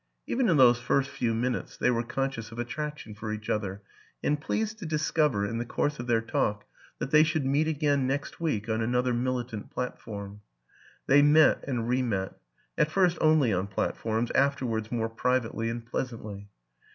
Even in those first few minutes they were conscious of attraction for each other and pleased to discover, in the course of their talk, that they should meet again next week on another militant platform. They met and re met at first only on plat forms, afterwards more privately and pleasantly.